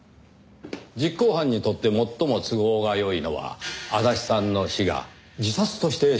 実行犯にとって最も都合が良いのは足立さんの死が自殺として処理される事です。